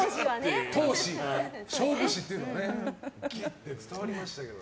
闘志、勝負師っていうのがね伝わりましたけど。